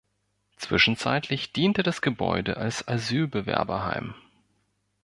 Zwischenzeitlich diente das Gebäude als Asylbewerberheim.